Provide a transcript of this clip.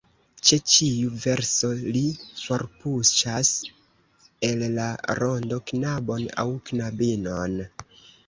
Ĉe ĉiu verso li forpuŝas el la rondo knabon aŭ knabinon.